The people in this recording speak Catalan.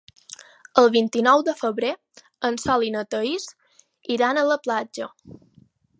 El vint-i-nou de febrer en Sol i na Thaís iran a la platja.